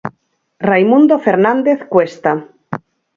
Raimundo Fernández Cuesta.